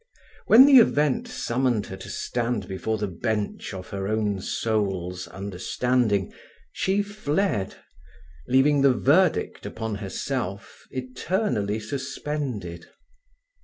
When the event summoned her to stand before the bench of her own soul's understanding, she fled, leaving the verdict upon herself eternally suspended.